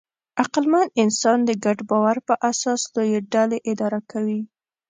عقلمن انسان د ګډ باور په اساس لویې ډلې اداره کوي.